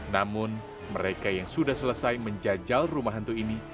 namun mereka yang sudah selesai menjajal rumah hantu ini